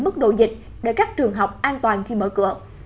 mức độ dịch để các trường học an toàn khi mở cửa